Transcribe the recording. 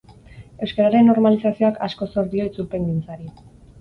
Euskararen normalizazioak asko zor dio itzulpengintzari.